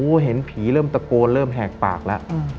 เห็นผีเริ่มตะโกนเริ่มแหกปากแล้ว